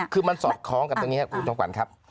คือมันสอบของกันตรงนี้ครับคุณชมกวัลครับ